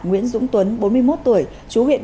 nguyễn dũng tuấn bốn mươi một tuổi chú huyện